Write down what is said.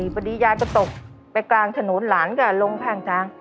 พอดียายก็ตกไปกลางถนนหลานก็ลงข้างทาง